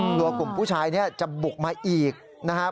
หรือกลุ่มผู้ชายจะบุกมาอีกนะครับ